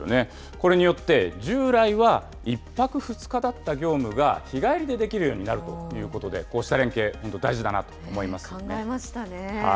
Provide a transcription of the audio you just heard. これによって、従来は１泊２日だった業務が、日帰りでできるようになるということで、こうした連携、本当考えましたね。